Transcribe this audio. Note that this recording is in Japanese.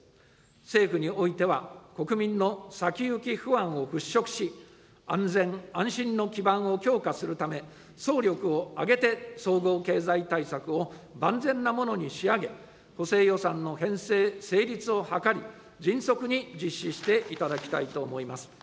政府においては、国民の先行き不安を払拭し、安全・安心の基盤を強化するため、総力を挙げて総合経済対策を万全なものに仕上げ、補正予算の編成・成立を図り、迅速に実施していただきたいと思います。